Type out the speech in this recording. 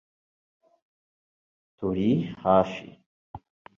Turi hafi